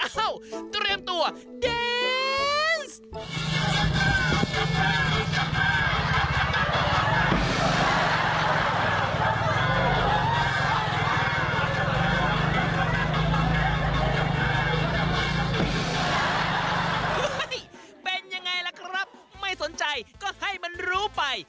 เป็นยังไงล่ะครับไม่สนใจก็ให้มันรู้ไป